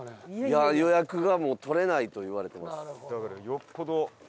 いや予約が取れないといわれてます。